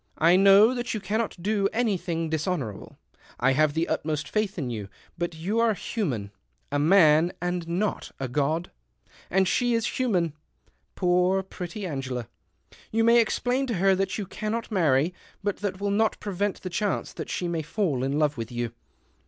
I know that you cannot do anything dishonourable. I have the utmost faith in you, but you're human — a man, and not a god ; and she is human — poor, pretty Angela. You may explain to her that you cannot marry, but that will not prevent the chance that she may fall in love with you."